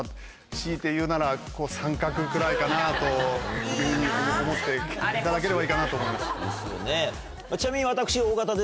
強いて言うなら△くらいかなというふうに思っていただければいいかなと思います。